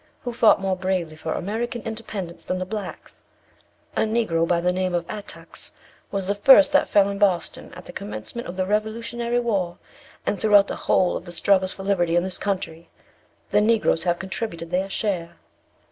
Who fought more bravely for American independence than the blacks? A negro, by the name of Attucks, was the first that fell in Boston at the commencement of the revolutionary war; and throughout the whole of the struggles for liberty in this country, the Negroes have contributed their share.